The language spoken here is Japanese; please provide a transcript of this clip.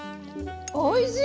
おいしい！